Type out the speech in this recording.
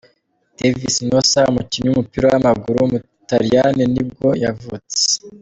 Devis Nossa, umukinnyi w’umupira w’amaguru w’umutaliyani ni bwo yavutse.